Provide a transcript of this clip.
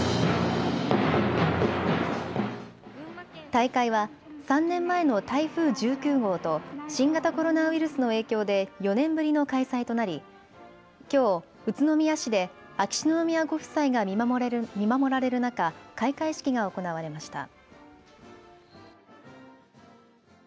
大会は３年前の台風１９号と新型コロナウイルスの影響で４年ぶりの開催となりきょう宇都宮市で秋篠宮ご夫妻が見守られる中、開会式が行われました。